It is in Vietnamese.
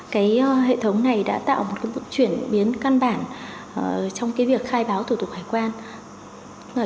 cái hệ thống này đã tạo một cái chuyển biến căn bản trong cái việc khai báo thủ tục hải quan và chuyển